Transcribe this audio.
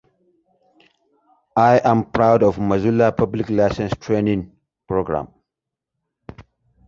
It is threatened by conversion of land for plantations and agriculture.